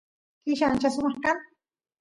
killa ancha sumaq kan